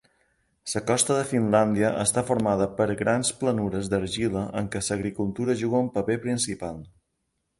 La costa de Finlàndia està formada per grans planures d'argila en què l'agricultura juga un paper principal.